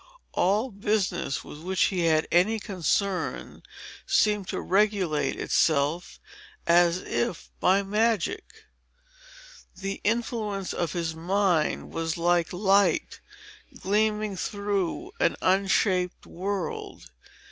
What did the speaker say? All business, with which he had any concern, seemed to regulate itself, as if by magic. The influence of his mind was like light, gleaming through an unshaped world.